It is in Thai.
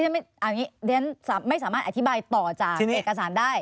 ไม่สามารถอธิบายต่อจากเอกสารได้